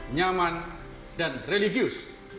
nyaman dan religius